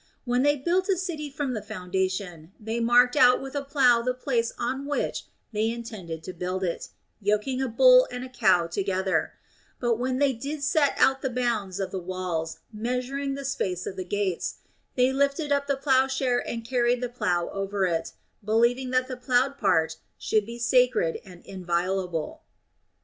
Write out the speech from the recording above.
When they built a city from the foundation, they marked out with a plough the place on which they intended to build it, yoking a bull and a cow together ; but when they did set out the bounds of the walls, measuring the space of the gates, they lifted up the ploughshare and carried the plough over it, be lieving that all the ploughed part should be sacred and inviolable.